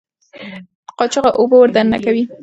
قاچوغه اوبه ور دننه کوي.